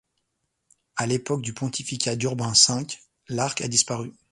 À l'époque du pontificat d'Urbain V, l'arc a disparu.